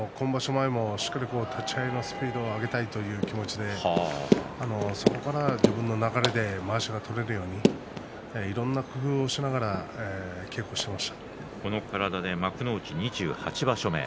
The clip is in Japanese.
前も立ち合いのスピードをしっかり上げたいという気持ちでそこから自分の流れでまわしが取れるようにいろいろな工夫をしながらこの体で幕内２８場所目。